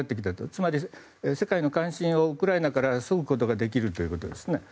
つまり、世界の関心をウクライナからそぐことができるということですね。